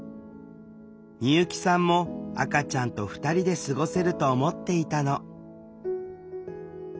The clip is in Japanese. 美由紀さんも赤ちゃんと２人で過ごせると思っていたの。